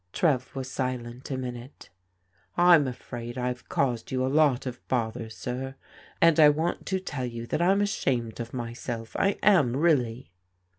" Trev was silent a minute. " I'm afraid I've caused you a lot of bother, sir, and I want to tell you that I'm ashamed of myself, I am really."